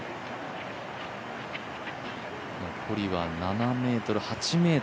残りは７ｍ、８ｍ。